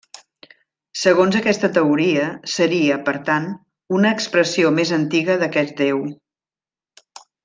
Segons aquesta teoria seria, per tant, una expressió més antiga d'aquest déu.